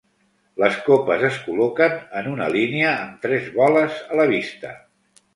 Les copes es col·loquen en una línia amb tres boles a la vista.